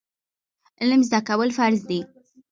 علم زده کول فرض دي